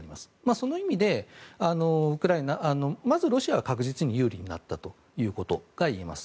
その意味でまず、ロシアは確実に有利になったということが言えます。